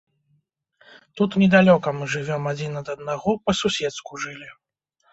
Тут недалёка мы жывём адзін ад аднаго, па-суседску жылі.